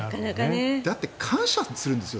だって感謝するんですよ